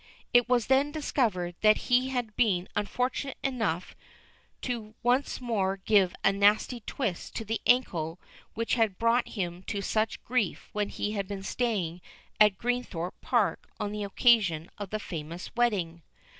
It was then discovered that he had been unfortunate enough to once more give a nasty twist to the ankle which had brought him to such grief when he had been staying at Greenthorpe Park on the occasion of the famous wedding.